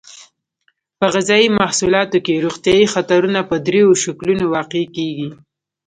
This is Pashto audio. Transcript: په غذایي محصولاتو کې روغتیایي خطرونه په دریو شکلونو واقع کیږي.